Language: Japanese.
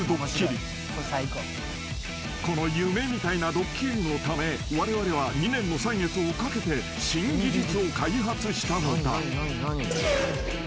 ［この夢みたいなドッキリのためわれわれは２年の歳月をかけて新技術を開発したのだ］